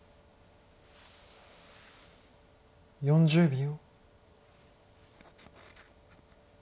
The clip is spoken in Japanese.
４０秒。